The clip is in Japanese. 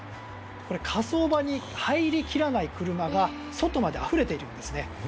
これ、火葬場に入り切らない車が外まであふれているんですね。